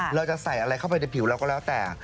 เราจะใส่อะไรเข้าไปในผิวเราก็แล้วแต่